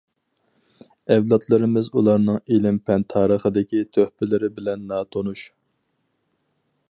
ئەۋلادلىرىمىز ئۇلارنىڭ ئىلىم- پەن تارىخىدىكى تۆھپىلىرى بىلەن ناتونۇش.